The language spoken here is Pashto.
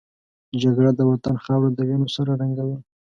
جګړه د وطن خاوره د وینو سره رنګوي